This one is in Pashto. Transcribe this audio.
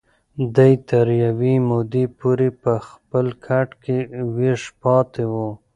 دی تر یوې مودې پورې په خپل کټ کې ویښ پاتې و.